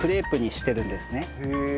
へえ。